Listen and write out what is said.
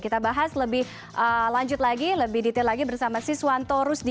kita bahas lebih lanjut lagi lebih detail lagi bersama siswanto rusdi